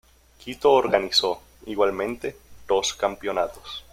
Quito organizó, igualmente, dos campeonatos.